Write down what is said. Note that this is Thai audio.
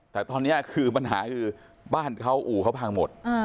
แต่ตอนนี้คือปัญหาคือบ้านเขาอู่เขาพังหมด